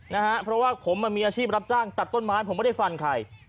นะฮะเพราะว่าผมมันมีอาชีพรับจ้างตัดต้นไม้ผมไม่ได้ฟันใคร